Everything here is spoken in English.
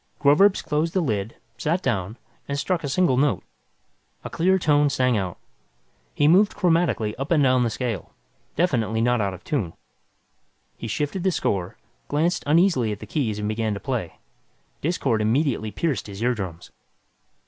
Groverzb closed the lid, sat down and struck a single note. A clear tone sang out. He moved chromatically up and down the scale. Definitely not out of tune. He shifted the score, glanced uneasily at the keys and began to play. Discord immediately pierced his eardrums.